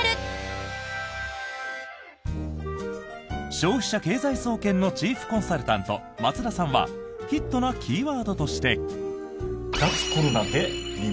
消費者経済総研のチーフコンサルタント松田さんはヒットなキーワードとして。